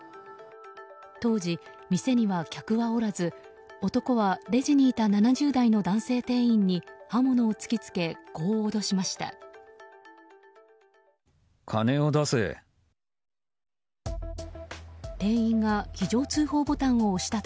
当時、店には客はおらず男はレジにいた７０代の男性店員に刃物を突き付けこう脅しました。